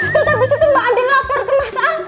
terus abis itu mbak adi lapor kemasan